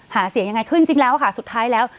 หาเสียงยังไงขึ้นจริงแล้วค่ะสุดท้ายแล้ว